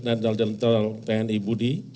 nadal jenteral tni budi